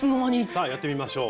さあやってみましょう。